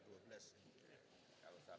ini mimpi yang